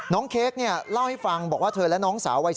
เค้กเล่าให้ฟังบอกว่าเธอและน้องสาววัย๔